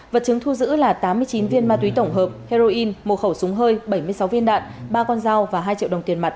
vật chứng thu giữ là tám mươi chín viên ma túy tổng hợp heroin một khẩu súng hơi bảy mươi sáu viên đạn ba con dao và hai triệu đồng tiền mặt